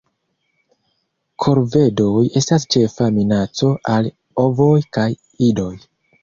Korvedoj estas ĉefa minaco al ovoj kaj idoj.